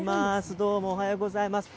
どうもおはようございます。